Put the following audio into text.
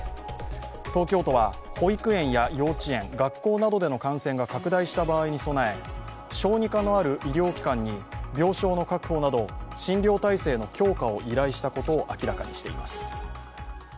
東京都は保育園や幼稚園、学校などでの感染が拡大した場合に備え小児科のある医療機関に病床の確保など診療体制の強化を依頼したことを明らかにしています。